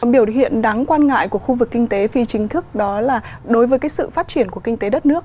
biểu hiện đáng quan ngại của khu vực kinh tế phi chính thức đó là đối với sự phát triển của kinh tế đất nước